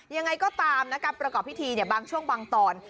ยังไงก็ตามนะการประกอบพิธีบางช่วงบางตอน